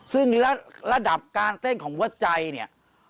ซึ่งระดับการเต้นของหัวใจเนี่ย